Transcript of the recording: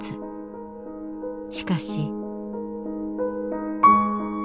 しかし。